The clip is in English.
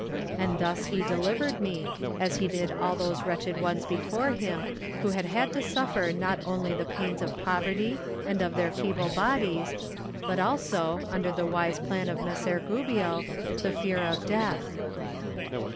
And thus he delivered me, as he did all those wretched ones before him who had had to suffer not only the pains of poverty and of their feeble bodies, but also, under the wise plan of Messer Gubbio, the fear of death.